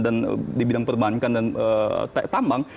dan di bidang perbankan dan tambang